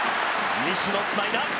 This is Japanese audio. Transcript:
西野、つないだ。